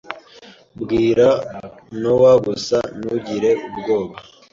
Bwira Nowa gusa ntugire ubwoba.